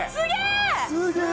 すげえ！